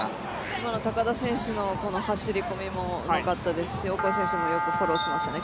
今の高田選手の走り込みもうまかったですしオコエ選手もよくフォローしましたね。